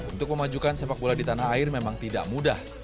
untuk memajukan sepak bola di tanah air memang tidak mudah